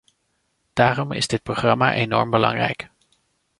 Daarom is dit programma enorm belangrijk.